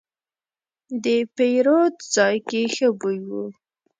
د پیرود ځای کې ښه بوی و.